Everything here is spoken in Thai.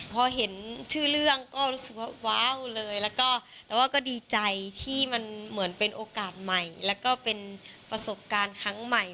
พอเห็นชื่อเรื่องก็รู้สึกว่าว้าวเลยแล้วก็แต่ว่าก็ดีใจที่มันเหมือนเป็นโอกาสใหม่แล้วก็เป็นประสบการณ์ครั้งใหม่